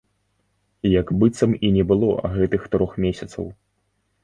Як быццам і не было гэтых трох месяцаў.